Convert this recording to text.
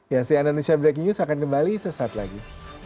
ya si andonisia breaking news akan kembali sesaat lagi